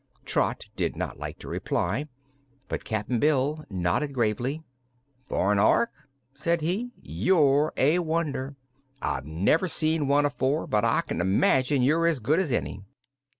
Trot did not like to reply, but Cap'n Bill nodded gravely. "For an Ork," said he, "you're a wonder. I've never seen one afore, but I can imagine you're as good as any."